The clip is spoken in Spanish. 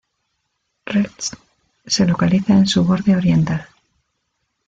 Recht se localiza en su borde oriental.